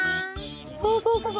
そうそうそうそう。